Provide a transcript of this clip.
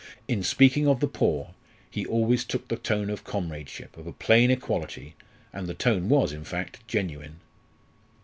In speaking of the poor he always took the tone of comradeship, of a plain equality, and the tone was, in fact, genuine.